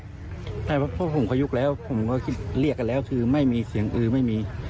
เพราะผมขยุกแล้วผมก็คิดเรียกกันแล้วคือไม่มีเสียงอือไม่มี